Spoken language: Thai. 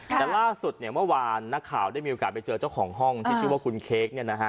แต่ล่าสุดเนี่ยเมื่อวานนักข่าวได้มีโอกาสไปเจอเจ้าของห้องที่ชื่อว่าคุณเค้ก